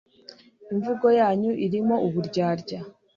imvugo yanyu irimo uburyarya